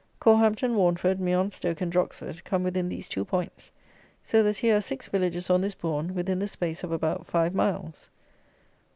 Corhampton, Warnford, Meon Stoke and Droxford come within these two points; so that here are six villages on this bourn within the space of about five miles.